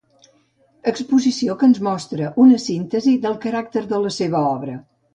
Exposició que ens mostra una síntesi del caràcter de la seva obra.